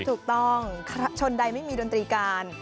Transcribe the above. ถูกต้องชนใดไม่มีดนตรีการ